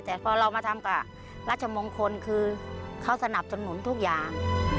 แต่พอเรามาทำกับราชมงคลคือเขาสนับสนุนทุกอย่าง